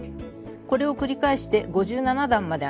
これを繰り返して５７段まで編みます。